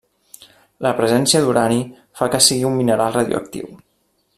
La presència d'urani fa que sigui un mineral radioactiu.